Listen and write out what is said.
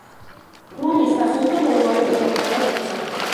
რუმის სასულთნო მონღოლების მოხარკედ იქცა.